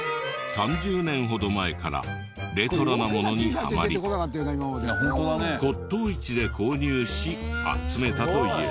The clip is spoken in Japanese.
３０年ほど前からレトロなものにハマり骨董市で購入し集めたという。